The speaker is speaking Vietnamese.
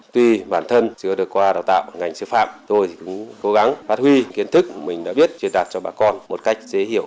tuy bản thân chưa được qua đào tạo ngành sư phạm tôi thì cũng cố gắng phát huy kiến thức mình đã biết truyền đạt cho bà con một cách dễ hiểu